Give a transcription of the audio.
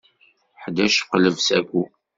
Ḥdac qleb saku.